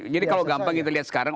jadi kalau gampang kita lihat sekarang